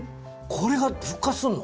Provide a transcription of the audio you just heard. これが復活するの？